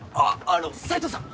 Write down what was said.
あの斎藤さん。